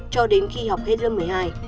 cho đến khi học hết lớp một mươi hai